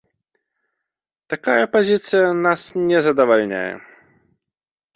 Такая пазіцыя нас не задавальняе.